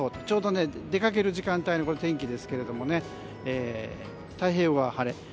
ちょうど出かける時間帯の天気ですけれども太平洋側は晴れ。